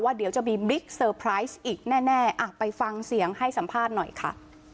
เดี๋ยวจะมีบิ๊กเซอร์ไพรส์อีกแน่ไปฟังเสียงให้สัมภาษณ์หน่อยค่ะ